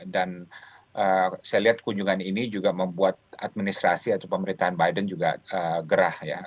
dan saya lihat kunjungan ini juga membuat administrasi atau pemerintahan biden juga gerah